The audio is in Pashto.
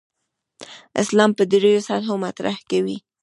اسلام په درېو سطحو مطرح کوي.